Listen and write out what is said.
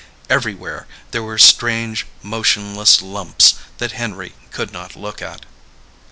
Everywhere there were strange, motionless lumps that Henry could not look at.